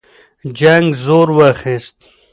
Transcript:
جنګ زور واخیست.